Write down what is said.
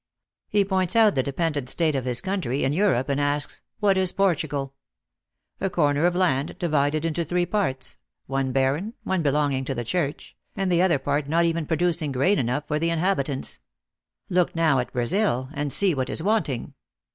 He points out the dependent state of his country in Europe, and asks : What is Portugal ? A corner of land divided into three parts ; one barren, one belong ing to the church, and the other part not even pro THE ACTKESS IN HIGH LIFE. 271 ducing grain enough for the inhabitants. Look now at Brazil, and see what is wanting